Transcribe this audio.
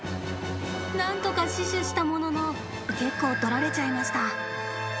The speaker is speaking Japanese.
なんとか死守したものの結構、とられちゃいました。